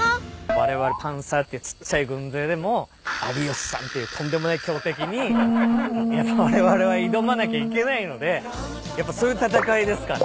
われわれパンサーってちっちゃい軍勢でも有吉さんっていうとんでもない強敵にわれわれは挑まなきゃいけないのでやっぱそういう戦いですかね。